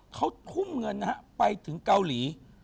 เขาทุ่มเงินนะฮะไปถึงเกาหลี